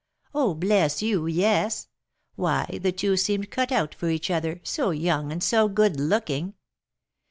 "Oh, bless you, yes! Why, the two seemed cut out for each other, so young and so good looking!